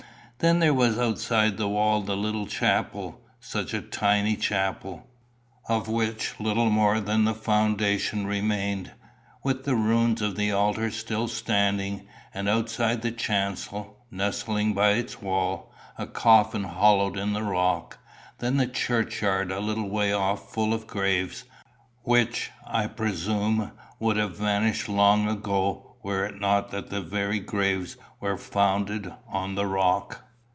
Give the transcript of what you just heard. Then there was outside the walls the little chapel such a tiny chapel! of which little more than the foundation remained, with the ruins of the altar still standing, and outside the chancel, nestling by its wall, a coffin hollowed in the rock; then the churchyard a little way off full of graves, which, I presume, would have vanished long ago were it not that the very graves were founded on the rock.